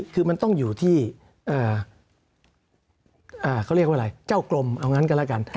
คือมันต้องอยู่ที่เขาเรียกว่าอะไรเจ้ากลมเอางั้นก็แล้วกัน